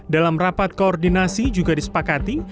dalam rapat koordinasi juga disepakati